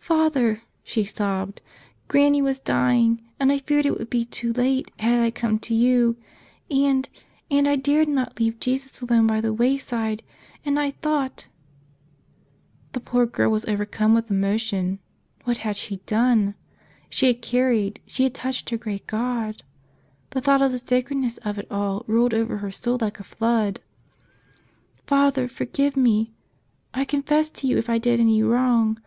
"Father," she sobbed, "Granny was dying and I feared it would be too late had I come to you — and — and I dared not leave Jesus alone by the wayside — and I thought .. The poor girl was overcome with emotion. What had she done ! She had carried, she had touched her great God ! The thought of the sacredness of it all rolled over her soul like a flood. "Father, forgive me. . I confess to you if I did any wrong.